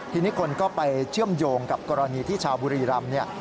ทีนี้คนก็ไปเชื่อมโยงกับกรณีที่ชาวบุรีรำเนี่ย